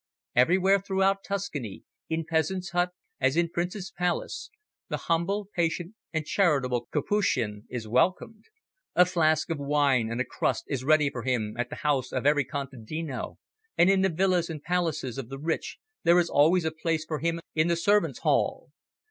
Everywhere throughout Tuscany, in peasant's hut as in prince's palace, the humble, patient and charitable Capuchin is welcomed; a flask of wine and a crust is ready for him at the house of every contadino, and in the villas and palaces of the rich there is always a place for him in the servants' hall.